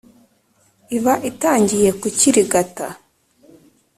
iba itangiye kukirigata.